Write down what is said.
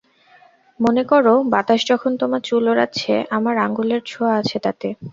মনে কোরো বাতাস যখন তোমার চুল ওড়াচ্ছে আমার আঙুলের ছোঁয়া আছে তাতে।